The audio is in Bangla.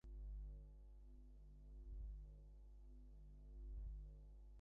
যামিনী আশ্চর্য হইয়া যায়, আমি শশীর নিন্দে করব।